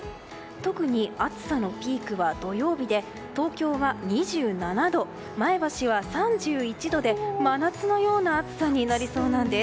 特に暑さのピークは土曜日で東京は２７度、前橋は３１度で真夏のような暑さになりそうなんです。